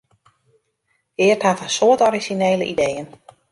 Geart hat in soad orizjinele ideeën.